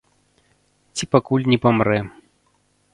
Ці пакуль не памрэ.